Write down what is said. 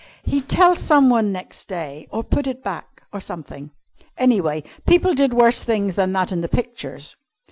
He'd tell someone next day, or put it back, or something. Anyway, people did worse things than that in the pictures.